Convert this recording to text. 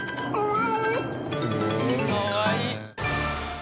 かわいい。